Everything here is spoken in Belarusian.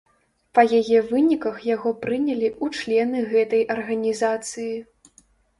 Па яе выніках яго прынялі ў члены гэтай арганізацыі.